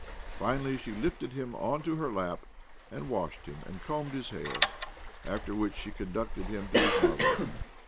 Finally, she lifted him on to her lap, and washed him, and combed his hair ; after which she conducted him to his mother.